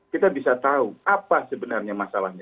kita bisa tahu apa sebenarnya masalahnya